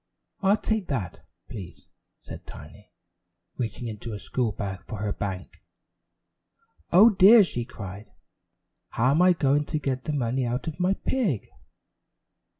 "I'll take that, please," said Tiny, reaching into her school bag for her bank. "Oh, dear," she cried, "how am I going to get the money out of my pig?"